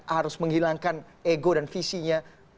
harus menghilangkan ego dan visinya